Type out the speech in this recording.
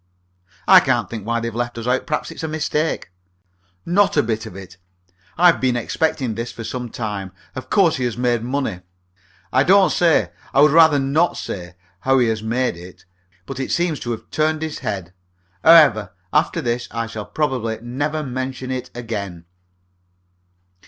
"I can't think why they've left us out. Perhaps it's a mistake." "Not a bit of it. I've been expecting this for some time. Of course he has made money. I don't say I would rather not say how he has made it. But it seems to have turned his head. However, after this I shall probably never mention him again."